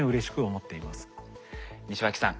西脇さん